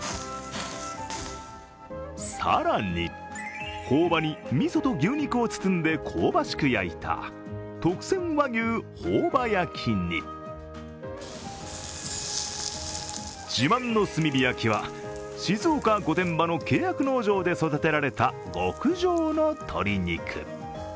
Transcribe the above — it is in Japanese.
更に朴葉にみそと牛肉を包んで香ばしく焼いた特撰和牛朴葉焼に、自慢の炭火焼きは静岡・御殿場の契約農場で育てられた極上の鶏肉。